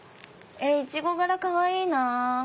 イチゴ柄かわいいなぁ。